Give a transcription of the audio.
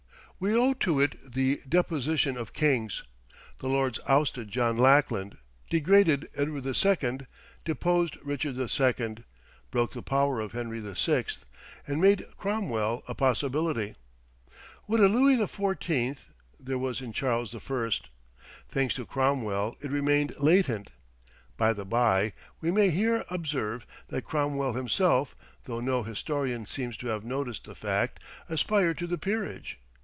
We owe to it the deposition of kings. The Lords ousted John Lackland, degraded Edward II., deposed Richard II., broke the power of Henry VI., and made Cromwell a possibility. What a Louis XIV. there was in Charles I.! Thanks to Cromwell, it remained latent. By the bye, we may here observe that Cromwell himself, though no historian seems to have noticed the fact, aspired to the peerage.